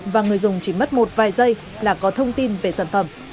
và người dùng chỉ mất một vài giây là có thông tin về sản phẩm